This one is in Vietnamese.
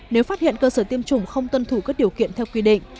nếu phát hiện cơ sở tiêm chủng không tuân thủ các điều kiện theo quy định